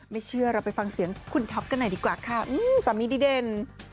ไม่เชื่อเราไปฟังเสียงคุณท็อปกันหน่อยดีกว่าค่ะสามีดีเด่น